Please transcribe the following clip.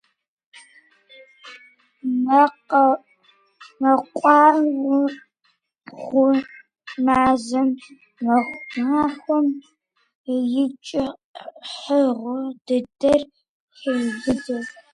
Мэкъуауэгъуэ мазэм махуэм и кӀыхьыгъуэ дыдэр хеубыдэ.